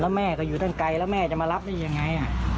แล้วแม่ก็อยู่ตั้งไกลแล้วแม่จะมารับได้ยังไง